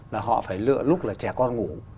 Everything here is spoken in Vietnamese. là họ phải lựa lúc là trẻ con ngủ